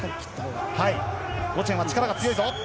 ゴチェンは力が強いぞ。